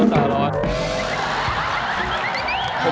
ผมบอกได้เลยว่าก็ลงอะไรก็มีใครมาคอมเมนต์